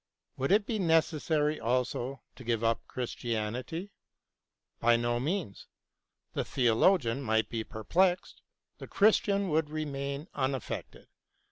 Would it be necessary also to give up Christianity i By no means. The theologian might be per plexed : the Christian would remain unaffected.